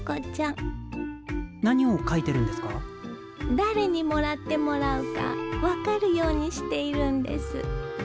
誰にもらってもらうか分かるようにしているんです。